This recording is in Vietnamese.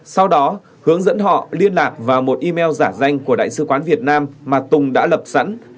sau đó hướng dẫn họ liên lạc vào một email giả danh của đại sứ quán việt nam mà tùng đã lập sẵn